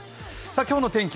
今日の天気